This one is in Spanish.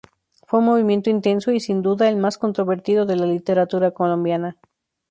Fue un movimiento intenso y, sin duda, el más controvertido de la literatura colombiana.